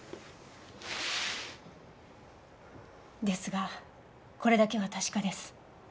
ですがこれだけは確かです。